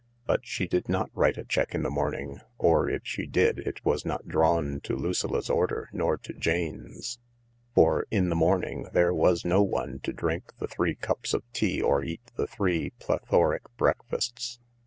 But she did not write a cheque in the morning, or, if she did, it was not drawn to Lucilla f s order nor to Jane's. For in the morning there was no one to drink the three cups of tea or eat the three plethoric breakfasts.